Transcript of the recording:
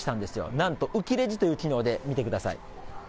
なんと、うきレジという機能で、見てください。